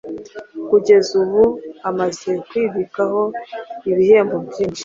kugeza ubu amaze kwibikaho ibihembo byinshi.